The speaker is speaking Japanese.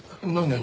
何？